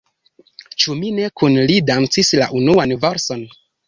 Ĉu mi ne kun li dancis la unuan valson?